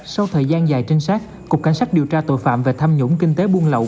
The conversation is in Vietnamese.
sau thời gian dài trinh sát cục cảnh sát điều tra tội phạm về tham nhũng kinh tế buôn lậu